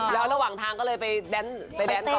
แล้วระหว่างทางก็เลยไปแบนต่อ